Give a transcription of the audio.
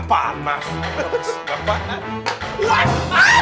pakde kena lagi pakde